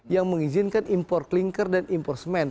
yang mengizinkan impor klingker dan impor semen